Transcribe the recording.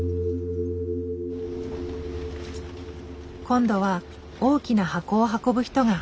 今度は大きな箱を運ぶ人が。